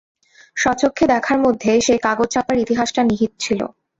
স্বচক্ষে দেখার মধ্যে সেই কাগজচাপার ইতিহাসটা নিহিত ছিল।